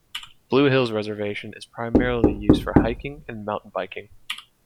Blue Hills Reservation is primarily used for hiking and mountain biking.